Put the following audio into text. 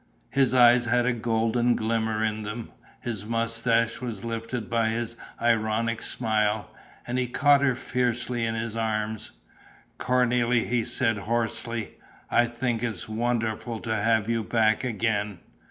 His eyes had a golden glimmer in them; his moustache was lifted by his ironic smile. And he caught her fiercely in his arms: "Cornélie," he said, hoarsely, "I think it's wonderful to have you back again.